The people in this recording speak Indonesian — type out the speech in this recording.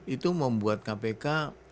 itu membuat kpk